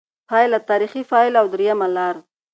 پایله: «تاریخي فاعل» او درېیمه لار